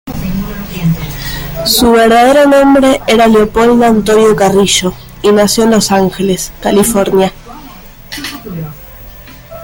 Su verdadero nombre era Leopoldo Antonio Carrillo, y nació en Los Ángeles, California.